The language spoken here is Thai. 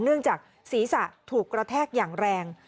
เนื่องจากศีรษะถูกกระแทกอย่างแรง